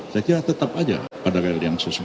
saya kira tetap saja pada real yang sesungguh